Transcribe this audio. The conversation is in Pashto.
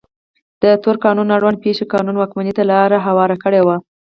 د تور قانون اړوند پېښې قانون واکمنۍ ته لار هواره کړې وه.